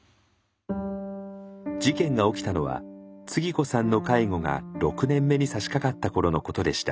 事件が起きたのはつぎ子さんの介護が６年目にさしかかった頃のことでした。